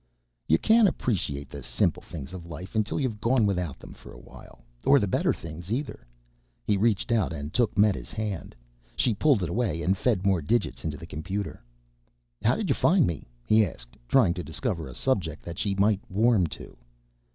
"You can't appreciate the simple things of life until you have gone without them for a while. Or the better things either." He reached out and took Meta's hand. She pulled it away and fed more digits into the computer. "How did you find me?" he asked, trying to discover a subject that she might warm to.